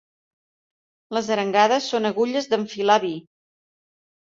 Les arengades són agulles d'enfilar vi.